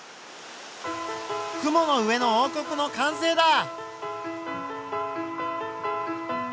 「雲の上の王国」の完成だ！